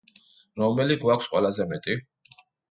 რომელი გვაქვს ყველაზე მეტი?